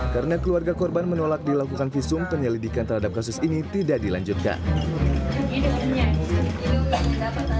karena keluarga korban menolak dilakukan visum penyelidikan terhadap kasus ini tidak dilanjutkan